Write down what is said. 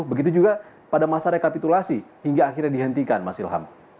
begitu juga pada masa rekapitulasi hingga akhirnya dihentikan mas ilham